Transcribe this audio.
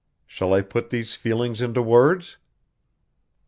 Shall I put these feelings into words?